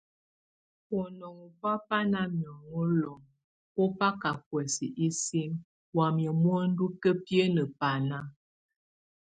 Bonɔŋ o bʼ ó na miaŋó lom, bó baka buɛs isim wamía muendu kabiene baná.